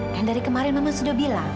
dan dari kemarin mama sudah bilang